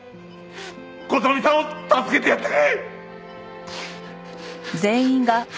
琴美さんを助けてやってくれ！